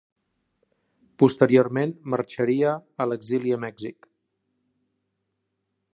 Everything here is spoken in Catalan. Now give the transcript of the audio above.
Posteriorment marxaria a l'exili a Mèxic.